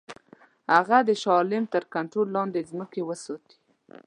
هغه د شاه عالم تر کنټرول لاندي ځمکې وساتي.